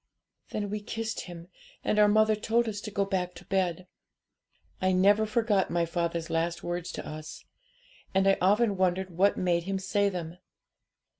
'Then we kissed him, and our mother told us to go back to bed. I never forgot my father's last words to us; and I often wondered what made him say them.